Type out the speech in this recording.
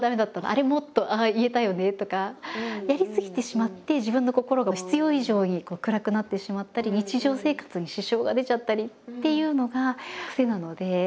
あれもっとああ言えたよねとかやりすぎてしまって自分の心が必要以上に暗くなってしまったり日常生活に支障が出ちゃったりっていうのが癖なので。